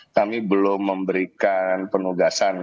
kami belum memberikan penugasan